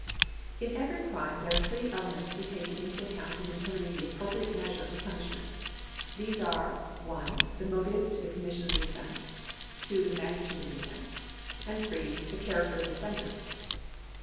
§150] LIABILITY (CONTINUED) 379 In every crime there are three elements to be taken into account in determining the appropriate measure of punisli ment. These are (1) the motives to the commission of the otfence, (2) the magnitude of the offence, and (3) the character of the oft'ender.